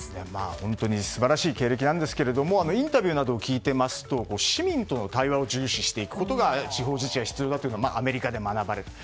本当に素晴らしい経歴なんですけれどもインタビューなどを聞いていますと市民との対話を重視していくことが地方自治には必要だと学ばれたと。